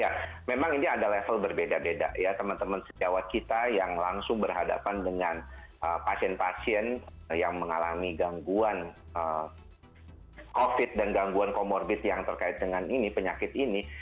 ya memang ini ada level berbeda beda ya teman teman sejawat kita yang langsung berhadapan dengan pasien pasien yang mengalami gangguan covid dan gangguan comorbid yang terkait dengan ini penyakit ini